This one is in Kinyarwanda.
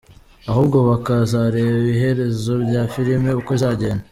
ahubwo bakazareba iherezo rya filime uko izajyenda" .